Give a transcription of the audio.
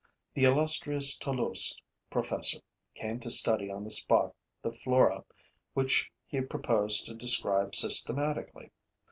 The illustrious Toulouse professor came to study on the spot the flora which he proposed to describe systematically.